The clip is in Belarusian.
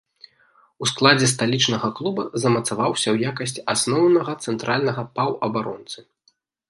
У складзе сталічнага клуба замацаваўся ў якасці асноўнага цэнтральнага паўабаронцы.